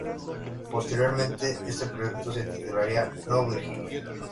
Posteriormente este proyecto se titularía "No, Virginia".